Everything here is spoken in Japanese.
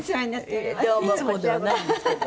いつもではないんですけど。